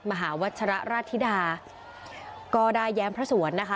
มหาวัชระราชธิดาก็ได้แย้มพระสวนนะคะ